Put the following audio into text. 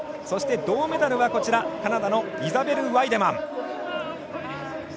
そして銅メダルはカナダのイザベル・ワイデマン。